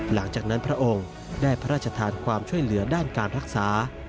หลังจากนั้นพระองค์ได้พระราชทานความช่วยเหลือด้านการรักษา